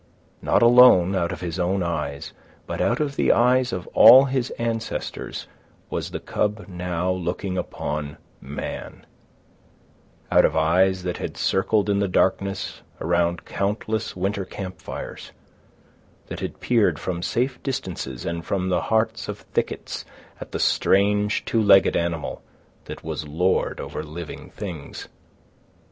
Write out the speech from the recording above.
Not alone out of his own eyes, but out of the eyes of all his ancestors was the cub now looking upon man—out of eyes that had circled in the darkness around countless winter camp fires, that had peered from safe distances and from the hearts of thickets at the strange, two legged animal that was lord over living things.